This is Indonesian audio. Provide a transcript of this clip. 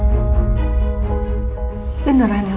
ini adalah akibat dari perbuatan kamu sendiri sam